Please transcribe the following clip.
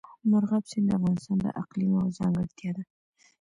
مورغاب سیند د افغانستان د اقلیم یوه ځانګړتیا ده.